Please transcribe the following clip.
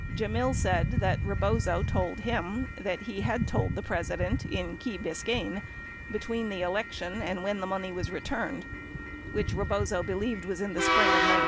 Gemmill said Rebozo told him that he had told the President in Key Biscayne between the election and when the money was returned, which Rebozo believed was in the spring of 1973.